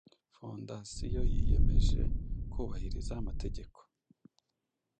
Fondasiyo yiyemeje kubahiriza amategeko